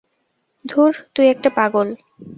দূর, তুই একটা পাগল!